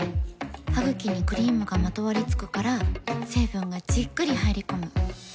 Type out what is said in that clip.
ハグキにクリームがまとわりつくから成分がじっくり入り込む。